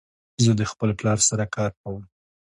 زه د خپل پلار سره کار کوم.